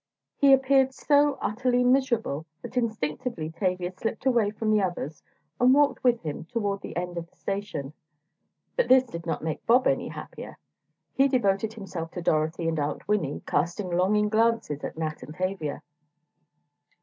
He appeared so utterly miserable that instinctively Tavia slipped away from the others, and walked with him toward the end of the station. But this did not make Bob any happier. He devoted himself to Dorothy and Aunt Winnie, casting longing glances at Nat and Tavia.